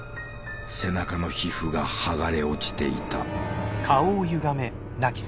背中の皮膚が剥がれ落ちていた。